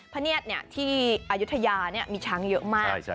พะเนียดเนี่ยที่อยุธยาเนี่ยมีชังเยอะมาก